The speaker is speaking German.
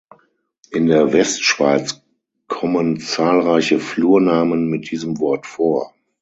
In der Westschweiz kommen zahlreiche Flurnamen mit diesem Wort vor.